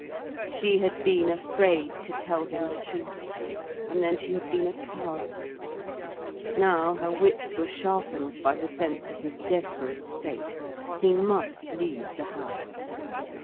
She had been afraid to tell him the truth, and then she had been a coward. Now, her wits were sharpened by the sense of his desperate state. He must leave the house.